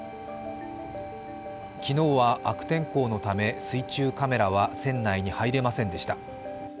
昨日は悪天候のため水中カメラは船内に入れませんでした。